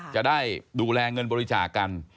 จะได้ดูแลเงินบริจาคกัน